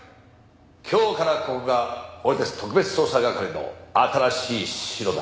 今日からここが俺たち特別捜査係の新しい城だ。